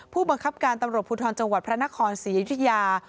ผู้บังคับการตำรวจภูทรจังหวัดพระนครศรีอยุธยา